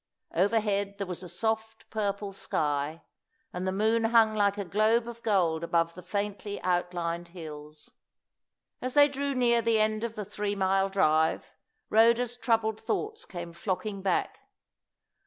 Overhead there was a soft, purple sky, and the moon hung like a globe of gold above the faintly outlined hills. As they drew near the end of the three mile drive, Rhoda's troubled thoughts came flocking back.